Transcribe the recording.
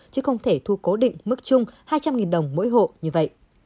chứ không thể thu cố định mức chung hai trăm linh đồng mỗi hộ như vậy